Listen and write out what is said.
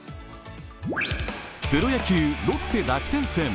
プロ野球ロッテ×楽天戦。